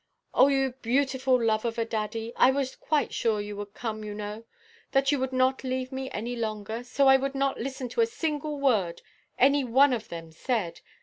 "Oh, you beautiful love of a daddy! I was quite sure you would come, you know; that you could not leave me any longer; so I would not listen to a single word any one of them said.